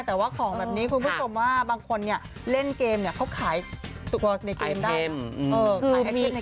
แต่ว่าของแบบนี้คุณผู้ชมว่าบางคนเนี่ยเล่นเกมเนี่ยเขาขายในเกมได้